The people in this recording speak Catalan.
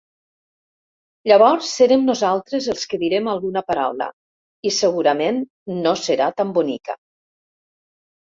Llavors serem nosaltres els que direm alguna paraula, i segurament no serà tan bonica.